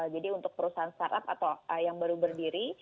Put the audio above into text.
jadi untuk perusahaan startup atau yang baru berdiri